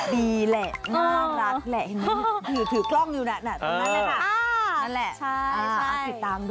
ดีแหละน่ารักแหละหือถือกล้องอยู่นะ